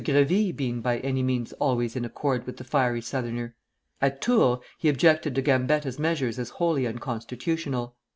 Grévy been by any means always in accord with the fiery Southerner. At Tours he objected to Gambetta's measures as wholly unconstitutional.